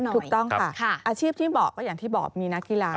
ถูกต้องค่ะอาชีพที่บอกก็อย่างที่บอกมีนักกีฬา